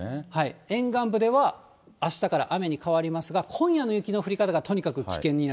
沿岸部では、あしたから雨に変わりますが、今夜の雪の降り方がとにかく危険にな